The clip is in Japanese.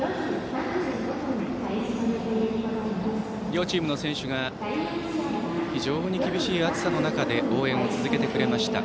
両チームの選手たちが非常に厳しい暑さの中で応援を続けてくれました